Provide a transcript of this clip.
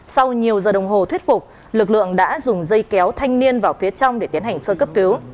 sau nhiều giờ đồng hồ thuyết phục lực lượng đã dùng dây kéo thanh niên vào phía trong để tiến hành sơ cấp cứu